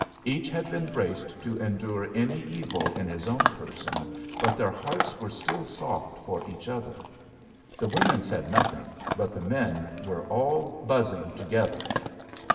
Each had been braced to endure any evil in his own person, but their hearts were still soft for each other. The women said nothing, but the men were all buzzing together.